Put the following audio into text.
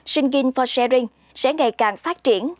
singing for sharing sẽ ngày càng phát triển